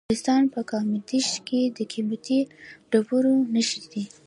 د نورستان په کامدیش کې د قیمتي ډبرو نښې دي.